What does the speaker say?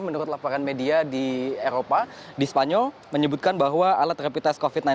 menurut laporan media di eropa di spanyol menyebutkan bahwa alat rapid test covid sembilan belas